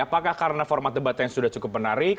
apakah karena format debatnya sudah cukup menarik